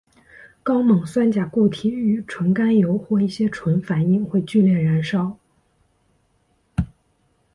高锰酸钾固体与纯甘油或一些醇反应会剧烈燃烧。